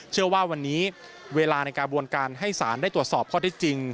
เชื่อว่าวันนี้เวลาในกระบวนการให้ศาลได้ตรวจสอบข้อได้จริง